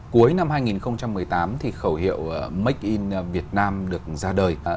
cuối năm hai nghìn một mươi tám thì khẩu hiệu make in vietnam được ra đời